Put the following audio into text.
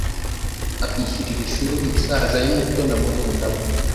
akishyurira ishuri musaza we muto na murumuna we